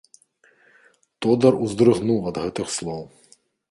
Тодар уздрыгнуў ад гэтых слоў.